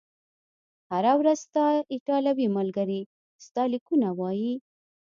هره ورځ، ستا ایټالوي ملګري ستا لیکونه وایي؟